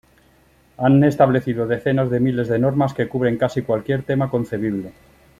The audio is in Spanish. Han establecido decenas de miles de normas que cubren casi cualquier tema concebible.